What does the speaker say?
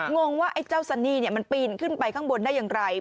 งงว่าไอ้เจ้าซันนี่มันปีนขึ้นไปข้างบนได้อย่างไร